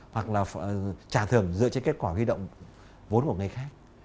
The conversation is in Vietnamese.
hoặc là trả thưởng dựa trên kết quả huy động vốn của người khác